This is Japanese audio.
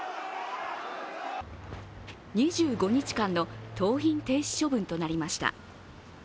２５日間の登院停止処分となりました。